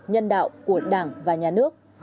nhân đạo của đảng và nhà nước